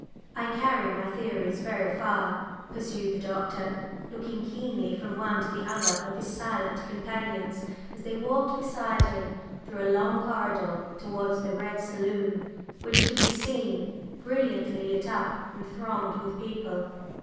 I carry my theories very far," pursued the Doctor, looking keenly from one to the other of his silent companions as they walked beside him through a long corridor towards the Red Saloon, which could be seen, brilliantly lit up and thronged with people.